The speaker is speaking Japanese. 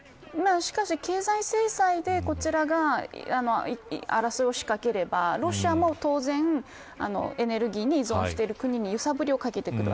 しかし、経済制裁でこちらが争いを仕掛ければロシアも当然エネルギーに依存している国に揺さぶりをかけてきます。